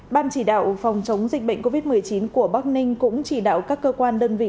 ban chỉ đạo phòng chống dịch bệnh covid một mươi chín của bắc ninh cũng chỉ đạo các cơ quan đơn vị